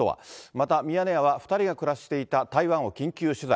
またミヤネ屋は、２人が暮らしていた台湾を緊急取材。